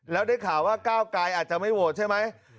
แล้วได้ข่าวว่าก้าวไกรอาจจะไม่โหวตใช่ไหม